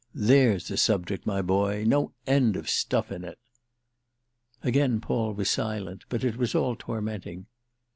"There's a subject, my boy: no end of stuff in it!" Again Paul was silent, but it was all tormenting.